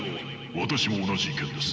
私も同じ意見です。